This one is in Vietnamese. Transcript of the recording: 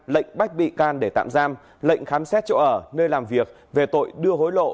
lệnh bắt bị can để tạm giam lệnh khám xét chỗ ở nơi làm việc về tội đưa hối lộ